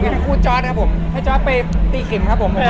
รับคู่ครับผม